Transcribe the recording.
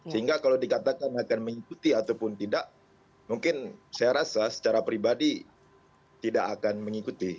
sehingga kalau dikatakan akan mengikuti ataupun tidak mungkin saya rasa secara pribadi tidak akan mengikuti